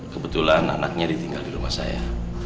kebetulan anaknya ditinggal di rumah saya